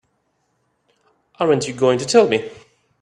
Aren't you going to tell me?